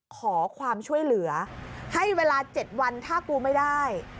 ขอความช่วยเหลือให้เวลา๗วันถ้ากูไม่ได้